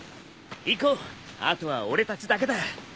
行こうあとは俺たちだけだ。